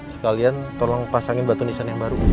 sekalian tolong pasangi batu nisan yang baru